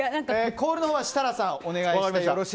コールは設楽さん、お願いします。